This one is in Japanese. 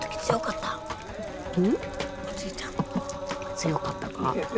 強かったか？